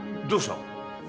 どうした？